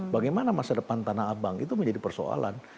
bagaimana masa depan tanah abang itu menjadi persoalan